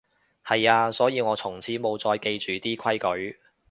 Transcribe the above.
係啊，所以我從此無再記住啲規矩